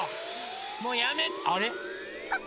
もうやめあれ？